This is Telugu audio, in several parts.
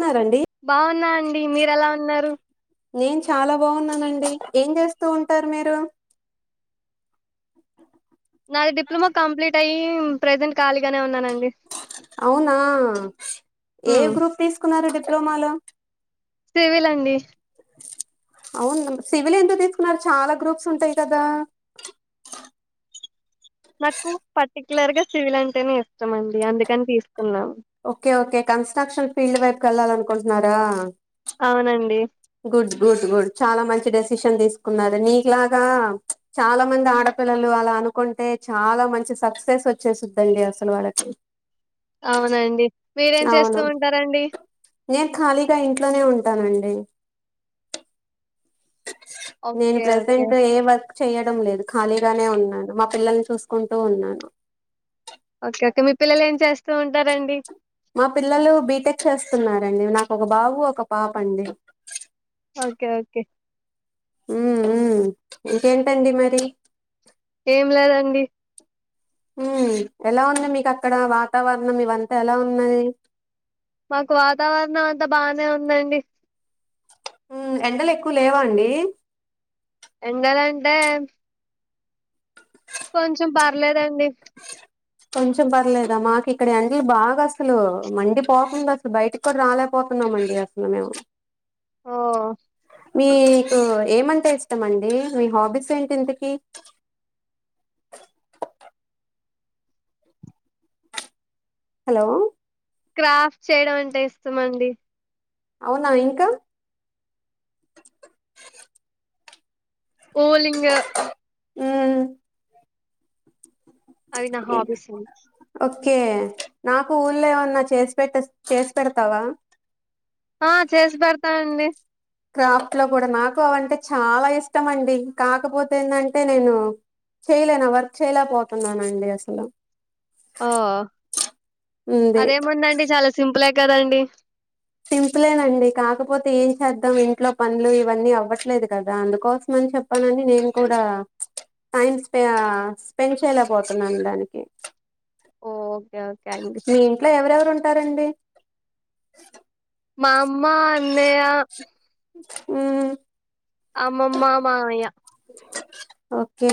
ఉన్నారండి బాగున్నా అండి మీరెలా ఉన్నారు నేను చాలా బాగున్నానండి ఏం చేస్తూ ఉంటారు మీరు నాది డిప్లొమా కంప్లీట్ అయ్యి ప్రెజెంట్ ఖాళీగనే ఉన్నానండి అవునా మ్మ్ తోమాల తేవెలండి అవును సివిల్ ఎందుకు తీసుకున్నారు చాలా గ్రూప్స్ ఉంటాయి కదా నాకు పర్టి కులర్ గా సివిల్ అంటనే ఇష్టం అండిందుకని తీసుకు ఓకే ఓకే కన్స్ట్రక్షన్ ఫీల్డ్ వైపు వెళ్లాలను కుంటున్నారా అవునండి గుడ్ గుడ్ గుడ్ చాలా మంచి డెసిషన్ తీసుకున్నారు నీకులాగా చాలా మంది ఆడపిల్లలు అలా అనుకుంటే చాలా మంచి సక్సెస్ వచ్చేస్తుదండి అసలు వాళ్ళకి అవునండి మీరేం చేస్తూ అవును ఉంటారండి నేను ఖాళీగా ఇంట్లోనే ఉంటానండి నేను ఓకే ఓకే ప్రెసెంట్ ఏ వర్క్ చేయడం లేదు ఖాళీగానే ఉన్నాను మా పిల్లల్ని చూసుకుంటూ ఉన్నాను ఓకే ఓకే మీ పిల్లలు ఏం చేస్తారు మా పిల్లలు బీటెక్ చేస్తున్నారండి నాకు ఒక బాబు ఒక పాప అండి ఓకే ఓకే మ్మ్ మ్మ్ ఇంకేంటండి మరి ఏం లేదండి మ్మ్ ఎలా ఉంది మీకు అక్కడ వాతావరణం ఇవంతా ఎలా ఉన్నయి మాకు వాతావరణం అంతా బానే ఉందండి ఉమ్ ఎండలు ఎక్కువ లేవా అండి ఎండాలు అంటే [inaudible] కొంచెం పర్లేదండి కొంచెం పర్లేదా మాకు ఇక్కడ ఎండలు బాగా అసలు మండి పోకుండా అసలు బయటకి కూడా రాలేపోతున్నామండి అసలు మేము ఓ మీకు ఏమంటె ఇస్తామండి మీ హాబీస్ ఏంటి ఇంతకి హలో క్రాఫ్ట్ చేయడం అంటే ఇస్తమండి అవునా ఇంకా ఓలింగ మ్మ్ అవి నా హాబీస్ ఓకే నాకు ఊళ్ళ ఏమన్నా చేసి పెట్ చేసి పెడతావా ఆ చేసి పెడతానండి క్రాఫ్ట్ లో కూడా నాకు అవంటే చాలా ఇష్టం అండి కాకపోతే ఏంటంటే నేను చేయలేను వర్క్ చేయలేకపోతున్నానండి అసలు ఓ ఉంది అదేముందండి చాలా సింపులే కదండి సింపులేనండి కాకపోతే ఏం చేద్దాం ఇంట్లో పనులు ఇవన్నీ అవ్వట్లేదు కదా అందుకోసమని చెప్పానని నేను కూడా టైం స్ప స్పెండ్ చేయలేకపోతున్నాను దానికి ఓ ఓకే అండి మీ ఇంట్లో ఎవరెవరు ఉంటారండి మా అమ్మా అన్నయ్య ఉమ్ అమ్మమ్మ మామయ్య ఓకే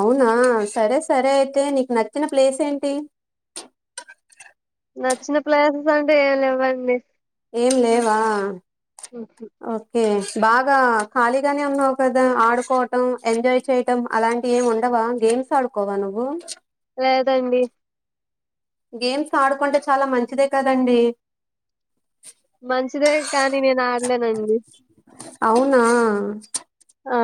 అవునా సరే సరే అయితే నీకు నచ్చిన ప్లేస్ ఏంటి నచ్చిన ప్లేసెస్ అంటే ఏమి లేవండి ఏం లేవా హుహు. ఓకే బాగా ఖాళీగానే ఉన్నావు కదా ఆడుకోవటం ఎంజాయ్ చేయటం అలాంటివి ఏమి ఉండవా గేమ్స్ ఆడుకోవా నువ్వు లేదండి గేమ్స్ ఆడుకుంటే చాలా మంచిదే కదండి మంచిదే కానీ నేను ఆడలేనండి అవునా ఆ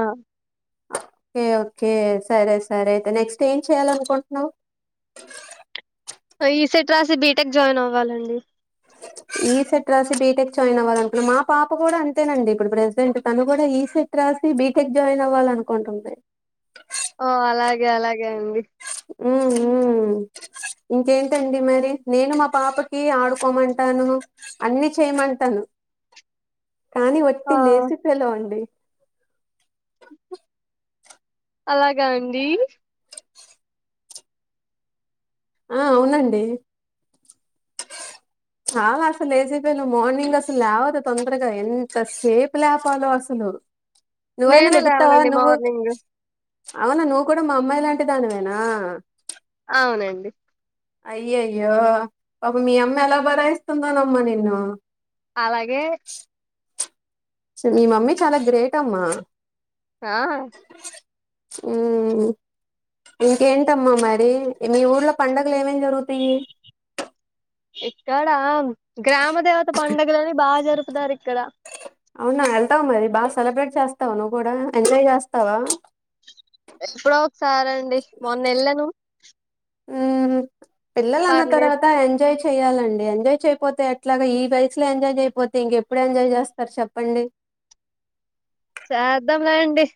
ఓకే ఓకే సరే సరే అయితే నెక్స్ట్ ఏం చేయాలనుకుంటున్నావు ఈసెట్ రాసి బీటెక్ జాయిన్ అవ్వాలండి ఈ సెట్ రాసి బీటెక్ జాయిన్ అవ్వాల అనుకుంటన్నా మా పాప కూడా అంతేనండి ఇప్పుడు ప్రజెంట్ తను కూడా ఈ సెట్ రాసి బీటెక్ జాయిన్ అవ్వాలనుకుంటుంది. ఓ అలాగే అలాగే అండి ఉమ్ ఉమ్ ఇంకేంటండి మరి నేను మా పాపకి ఆడుకోమంటాను అన్ని చేయమంటాను కానీ ఆ వట్టి లేజీ ఫెలో అండి అలాగా అండి ఆ అవునండి చాలా అసలు లేజీఫెలో మార్నింగ్ అసలు లేవదు తొందరగా ఎంతసేపు లేపాలో అసలు నువ్వైనా నేను లెగుతావా లేవనండి నువ్వు మార్నింగ్ అవునా నువ్వు కూడా మా అమ్మాయి లాంటి దానివేనా అవునండి అయ్యయో పాపం మీ అమ్మ ఎలా భరా ఇస్తుందోనమ్మ నిన్ను అలాగే మీ మమ్మీ చాలా గ్రేట్ అమ్మా ఆ ఉమ్ ఇంకేంటమ్మా మరి మీ ఊర్లో పండుగలు ఏమేం జరుగుతాయి ఇక్కడ గ్రామ దేవత పండుగలని బాగా జరుపుతారు ఇక్కడ అవునా వెళ్తావ మరి బాగా సెలబ్రేట్ చేస్తావా నువ్వు కూడా ఎంజాయ్ చేస్తావా ఎప్పుడో ఒకసారండి మొన్న ఎల్లాను ఊ పిల్లలన్న పర్లేదు తర్వాత ఎంజాయ్ చే చెయాలండి ఎంజాయ్ చేయకపోతే ఎట్లాగా ఈ వయసులో ఎంజాయ్ చేయకపోతే ఇంకెప్పుడు ఎంజాయ్ చేస్తారు చెప్పండి చేద్దాం లె అండి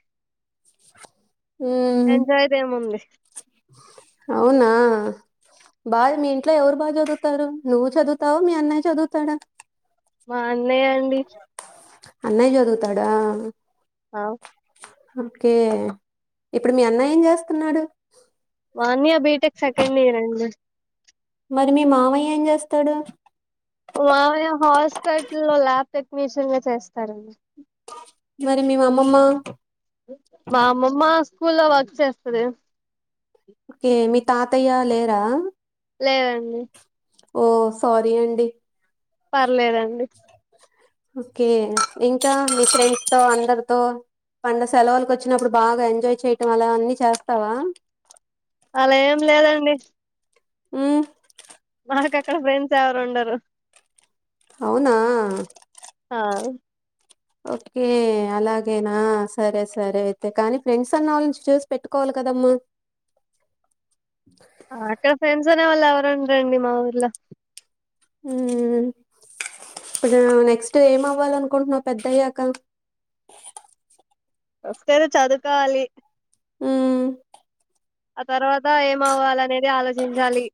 మ్మ్ ఎంజాయ్ ది ఏముంది అవునా బాగా మీ ఇంట్లో ఎవరు బాగా చదువుతారు నువ్వు చదువుతావ మీ అన్నయ్య చదువుతాడా [inaudible] అన్నయ అండి అన్నయ చదువుతాడా ఆ ఒకే ఇప్పుడు మీ అన్నయ ఏం చేస్తున్నాడు మా అన్నయ బిటెక్ సెకండ్ ఇయర్ అండి మరి మీ మామాయ్య ఏం చేస్తాడు మామయ్య హాస్పిటల్ లో ల్యాబ్ టెక్నీషియన్ గా చేస్తారండి మరి మీ అమ్మమ్మ మా అమ్మమ్మ స్కూల్ లో వర్క్ చేస్తాది ఏ మీ తాతయ్య లేరా లేరండి ఓ సారీ అండి పర్లేదండి ఓకే ఇంకా మీ ఫ్రెండ్ తో అందరితో పండ సెలవులకి వచ్చినప్పుడు బాగా ఎంజాయ్ చేయటం అలా అన్ని చేస్తావా అలా ఏం లేదండి మ్మ్ నాకు అక్కడ ఫ్రెండ్స్ ఎవరు ఉండరు అవునా ఆ ఓకే అలాగేనా సరే సరే అయితే కానీ ఫ్రెండ్స్ అన్న వాళ్ళ చేసి పెట్టుకోవాలి కదమ్మా ఆ అక్కడ ఫ్రెండ్స్ అనే వాళ్ళు ఎవర్ నా రండి మా వూళ్ళ లో ఇప్పుడు నెక్స్ట్ ఏమ అవ్వాలీ అనుకుంటున్నావు పెద్దయ్యాక ఫస్ట్ అయితే చదువుకోవాలి మ్మ్ ఆ తర్వాత ఏమ అవ్వాల అనేది ఆలోచించాలి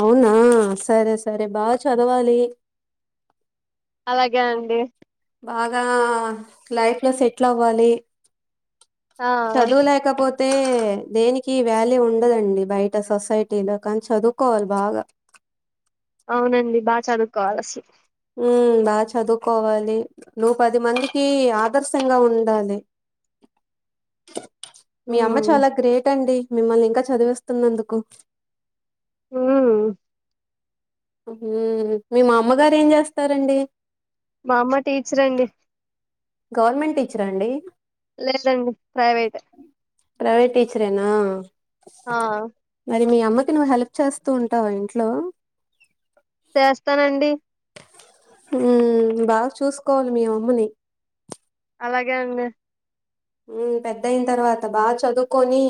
అవునా సరే సరే బాగా చదవాలి అలాగే అండి బాగా లైఫ్ లో సెటిల్ అవ్వాలి ఆ చదువు లేకపోతే పోతే దేనికి వ్యాల్యూ ఉండదండి బయట సొసైటీలో కానీ చదువుకోవాలి బాగా అవునండి బాగా చదువుకోవాలి అసలు మ్మ్ బాగా చదువుకోవాలి నువ్వు పది మందికి ఆదర్శంగా ఉండాలి మీ అమ్మ చాలా గ్రేట్ అండి మిమ్మల్ని ఇంకా చదివిస్తున్న అందుకు మ్మ్ ఉ మీ మామ్మగారు ఏం చేస్తారండి మా అమ్మ టీచర్ అండి గవర్నమెంట్ టీచర అండి లేదండి ప్రైవెట్ ప్రైవేట్ టీచరేనా ఆ మరి మీ అమ్మకి నువ్వు హెల్ప్ చేస్తూ ఉంటావా ఇంట్లో చేస్తానండి ఉ బాగా చూసుకోవాలి మీ ఆమ్మని అలాగే అండి ఉ పెద్ద అయిన తర్వాత బాగా చదువుకొని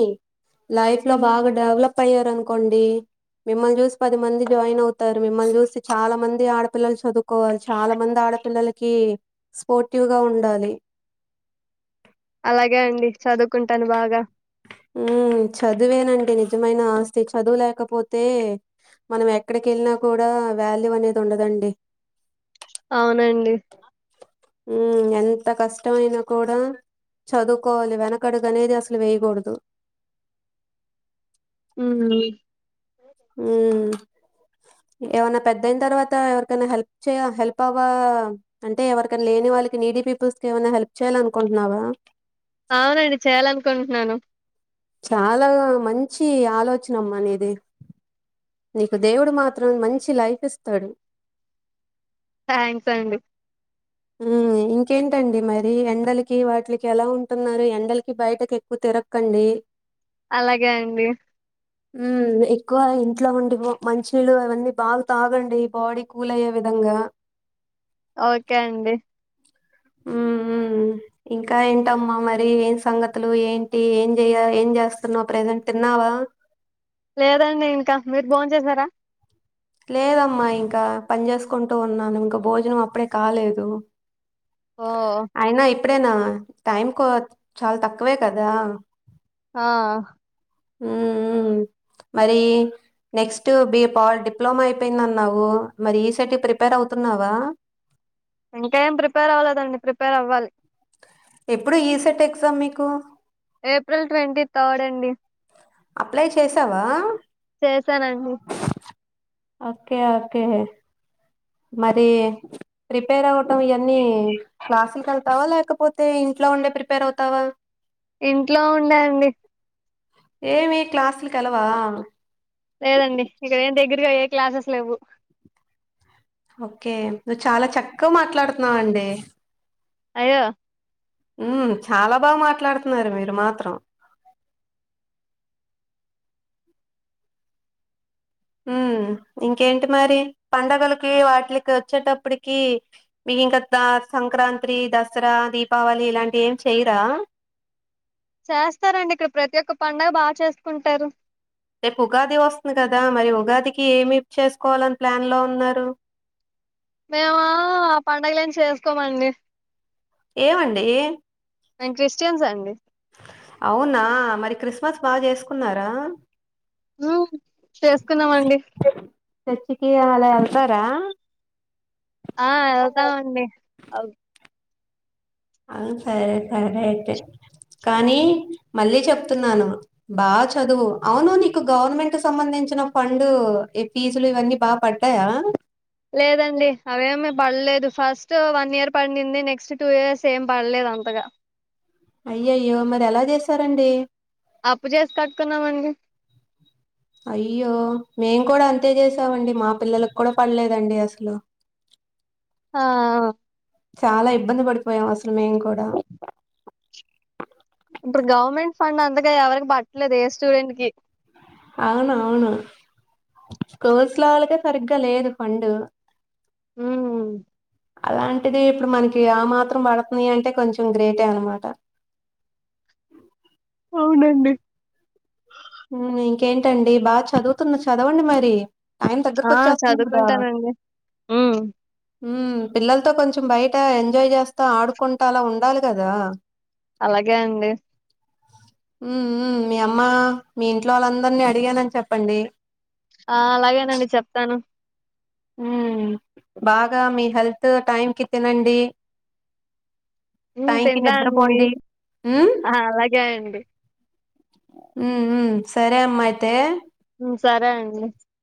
లైఫ్ లో బాగా డెవలప్ అయ్యారు అనుకోండి. మిమ్మల్ని చూసి పది మంది జాయిన్ అవుతారు. మిమ్మల్ని చూసి చాలా మంది ఆడపిల్లలు చదువుకోవాలి. చాలా మంది ఆడపిల్లలకి స్పోర్టివ్గా ఉండాలి. అలాగే అండి చదువుకుంటాను బాగా ఉ చదివేనం డి నిజమైన ఆస్తి చదువులేకపోతే మనం ఎక్కడకి వేళ్ళినా కూడా వాల్యూ అనేది ఉండదండి. అవునండి ఉ ఎంత కష్టం అయినా కూడా చదువుకోవాలి వెనక కడుగు అనేది అసలు వెయకూడదు హ్మ్ హ్ ఏమన్నా పెద్దయిన తర్వాత ఎవరికైనా హెల్ప్ చేయ హెల్ప్ అవ్వ అంటే ఎవరికైనా లేని వాళ్ళకి నీడీ పీపుల్స్ కు ఏమన్నా హెల్ప్ చేయ్యాలీ అనుకుంటున్నావా అవునండి చేయాలనుకుంటున్నాను చాలా మంచి ఆలోచనమ్మా నీది నీకు దేవుడు మాత్రం మంచి లైఫ్ ఇస్తాడు థ్యాంక్స్ అండి ఉ ఇంకేంటండి మరి ఎండలకి వాటికి ఎలా ఉంటున్నారు. ఎండలకి బయటకి ఎక్కువ తిరక్కండి. అలాగే అండి ఉ ఎక్కువ ఇంట్లో ఉండి మంచినీళ్ళు అవన్నీ బాగా తాగండి బాడీ కూల్ అయ్యే విధంగా ఓకే అండి ఉ ఉ ఇంకా ఏంటమ్మా మరి ఏం సంగతులు ఏంటి ఏం చెయ్య ఏం చేస్తున్నావు. ప్రజెంట్ తిన్నావా లేదండి ఇంకా మీర్ బోన్ చేసారా లేదమ్మా ఇంకా పని చేసుకుంటూ ఉన్నాను. ఇంకా భోజనం అప్పుడే కాలేదు. ఆ హా అయినా ఇప్పుడేనా టైం కో చాలా తక్కువే కదా ఆ హ్ హ్ మరి నెక్స్ట్ బి పాల్ డిప్లమా అయిపోయిందన్నావు. మరి ఈ సే ట్ కు ప్రిపేర్ అవుతున్నావా ఇంకా ఏం ప్రిపేర్ అవ్వలేదండి ప్రిపేర్ అవ్వాలి ఎప్పుడు ఈ సెట్ ఎగ్జామ్ మీకు ఏప్రిల్ ట్వంటీ థర్డ్ అండి అప్లై చేసావా చేసానండి ఓకే ఓకే మరి ప్రిపేర్ అవ్వ తవ ఇయన్నీ క్లాస్ల్ కేల్ తావా లేకపోతే ఇంట్లో ఉండే ప్రిపేర్ అవుతావా ఇంట్లో ఉండండి ఏమి క్లాసుల్కెల్లవా లేదండి ఇక్కడ ఏ దగ్గర ఇగ ఏ క్లాసెస్ లెవ్వు ఓకే నువ్వు చాలా చక్కగా మాట్లాడుతున్నావండి. అయ్యో హ్మ్ చాలా బాగా మాట్లాడుతున్నారు మీరు మాత్రం హ్మ్ ఇంకేంటి మరి పడుగలకి వాటికి వచ్చేటప్పటికి మీకింకా ద సంక్రాంతి, దసరా, దీపావళి ఇలాంటివి ఏం చేయరా చేస్తారండి ఇక్కడ ప్రతి ఒక్క పడుగ బాగా చేసుకుంటారు. రేపు ఉగాది వస్తుంది కదా మరి ఉగాదికి ఏమి చేసుకోవాలని ప్లాన్లో ఉన్నారు. మేము ఆ పడుగలు ఏం చేస్కోమండి ఏమండి మేం క్రిస్టియన్స్ అండి అవునా మరి క్రిస్మస్ బాగా చేసుకున్నారా హ్ మ్ చేసుకున్నామండి. చర్చ్కీ అలా ఎళ్తారా ఆ వెళ్తమండి అవు సరే సరే అయితే కానీ మళ్ళీ చెప్తున్నాను బాగా చదువు అవును నీకు గవర్నమెంట్ సంబంధించిన ఫండ్ ఈ ఫీజులు ఇవన్నీ బాగా పడ్డాయా పడ్లేదు ఫస్ట్ వన్ ఇయర్ పడింది నెక్స్ట్ టూ ఇయర్స్ ఏం పడ్లేదు అంతగా అయ్యయ్యో మరి ఎలా చేసారండి అప్పు చేసి కట్టుకున్నామండి. అయ్యో మేం కూడా అంతే చేసామండి మా పిల్లలలకు కూడా పడ్లేదండి అసలు ఆ.. చాలా ఇబ్బంది పడిపోయాం అసలు మేము కూడా ఇప్పుడు గవర్నమెంట్ ఫండ్ అంతగా ఎవరికి పడట్లేదు ఏ స్టూడెంట్కి అవును అవును కోర్సుల వాళ్ళకే సరిగ్గా లేదు ఫండ్ మ్ అలాంటిది ఇప్పుడు మనకి ఆ మాత్రం పడుతుంది అంటే కొంచం గ్రేటే అన్నమాట అవునండి. ఇంకేంటండి బాగా చదువుతున్న చదవండి మరి టైం ఆ దగ్గరకొచ్చేస్తుంది కదా! చదువుకుంటానండి హ్మ్ మ్ పిల్లల్తో కొంచం బయట ఎంజాయ్ చేస్తా ఆడుకుంటా అలా ఉండాలి కదా అలాగే అండి మ్ మ్ మీ అమ్మా మీ ఇంట్లో వాళ్ళందరిని అడిగానని చెప్పండి. ఆ అలాగేనండి చెప్తాను హ్మ్ బాగా మీ హెల్త్ టైంకి తినండి మ్ టైంకి తింటా అండి నిద్రపోండి. హ్మ్. ఆ అలాగే అండి మ్ మ్ సరే అమ్మ అయితే మ్ సరే అండి